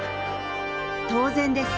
当然です。